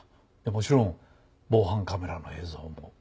もちろん防犯カメラの映像も。